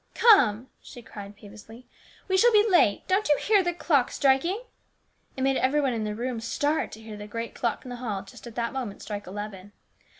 " Come !" she cried peevishly, " we shall be late. Don't you hear the clock striking ?" It made every one in the room start to hear the great clock in the hall just at that moment strike eleven.